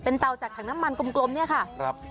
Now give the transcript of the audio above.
เป็นเตาจากถังน้ำมันกลมเนี้ยค่ะครับ